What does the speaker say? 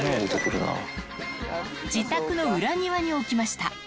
自宅の裏庭に置きました。